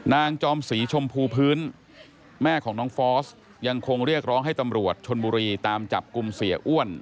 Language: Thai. จอมศรีชมพูพื้นแม่ของน้องฟอสยังคงเรียกร้องให้ตำรวจชนบุรีตามจับกลุ่มเสียอ้วน